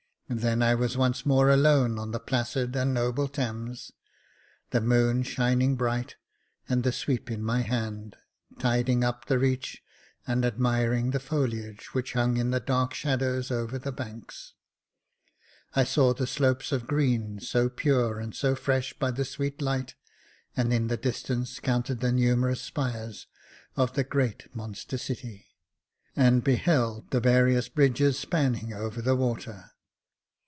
Then I was once more alone on the placid and noble Thames, the moon shining bright, and the sweep in my hand, tiding up the reach, and admiring the foliage which hung in dark shadows over the banks. I saw the slopes of green, so pure and so fresh by that sweet light, and in the distance counted the numerous spires of the great monster city, and beheld the various bridges spanning over the water.